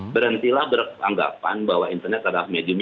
berhentilah beranggapan bahwa internet adalah medium yang terbentuk